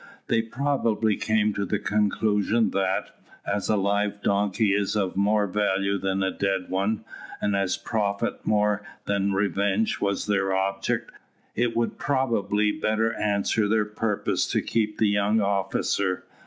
They probably came to the conclusion that, as a live donkey is of more value than a dead one, and as profit more than revenge was their object, it would probably better answer their purpose to keep the young officer?